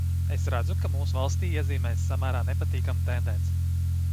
Es redzu, ka mūsu valstī iezīmējas samērā nepatīkama tendence.